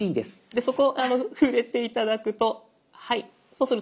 でそこ触れて頂くとはいそうすると。